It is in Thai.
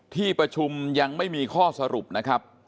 ที่ประชุมยังไม่มีข้อสรุปนะครับ